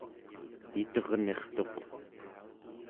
iternirtuq